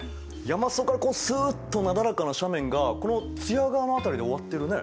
山裾からスッとなだらかな斜面がこの津屋川の辺りで終わってるね。